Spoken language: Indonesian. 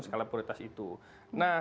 skala prioritas itu nah